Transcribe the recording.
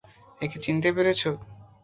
একে চিনতে পেরেছো?